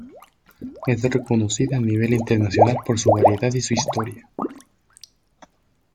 Es reconocida a nivel internacional por su variedad y su historia.